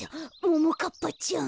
ももかっぱちゃん。